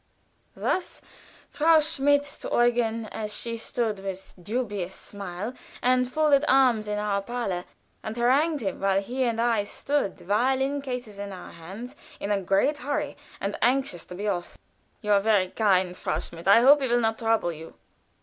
Thus Frau Schmidt to Eugen, as she stood with dubious smile and folded arms in our parlor, and harangued him, while he and I stood, violin cases in our hands, in a great hurry, and anxious to be off. "You are very kind, Frau Schmidt, I hope he will not trouble you."